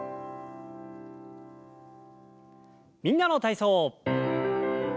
「みんなの体操」。